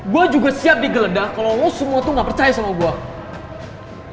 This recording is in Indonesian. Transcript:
gue juga siap digeledah kalau lo semua tuh gak percaya sama gue